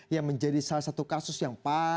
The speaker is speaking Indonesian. yang menjadi salah satu kasus yang paling